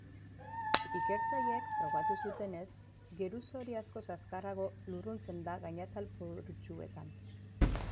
Ikertzaileek frogatu zutenez, geruza hori askoz azkarrago lurruntzen da gainazal porotsuetan.